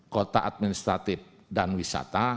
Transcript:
kota administratif dan wisata